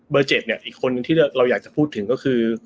๗เนี่ยอีกคนนึงที่เราอยากจะพูดถึงก็คือ